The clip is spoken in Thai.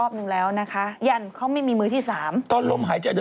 อย่างนั้นเค้าไม่มีมือที่สาม